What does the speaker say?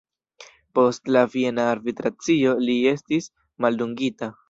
Post la viena arbitracio li estis maldungita.